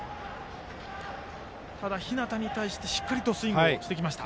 ただ日當に対してしっかりスイングしてきました。